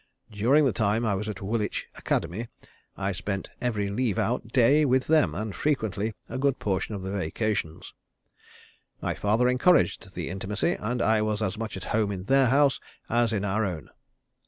During the time I was at Woolwich Academy, I spent every leave out day with them, and frequently a good portion of the vacations. My father encouraged the intimacy, and I was as much at home in their house as in our own.